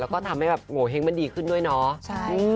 แล้วก็ทำให้แบบโงเห้งมันดีขึ้นด้วยเนาะ